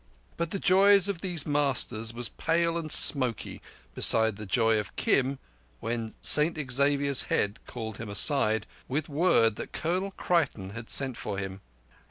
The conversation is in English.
But the joy of these masters was pale and smoky beside the joy of Kim when St Xavier's Head called him aside, with word that Colonel Creighton had sent for him.